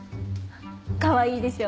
かわいいでしょ？